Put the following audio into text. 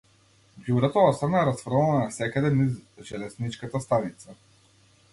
Ѓубрето остана расфрлано насекаде низ железничката станица.